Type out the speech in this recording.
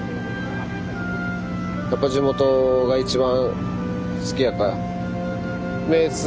やっぱ地元が一番好きやかい。